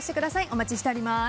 お待ちしております。